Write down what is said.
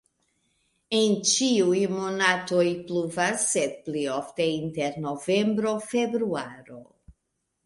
En ĉiuj monatoj pluvas, sed pli ofte inter novembro-februaro.